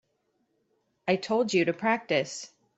I told you to practice.